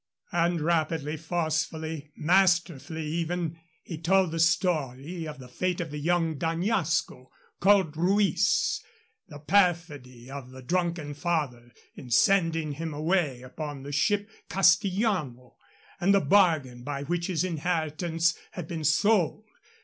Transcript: And rapidly, forcefully, masterfully even, he told the story of the fate of the young D'Añasco, called Ruiz, the perfidy of the drunken father in sending him away upon the ship Castillano, and the bargain by which his inheritance had been sold.